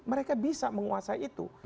mereka bisa menguasai itu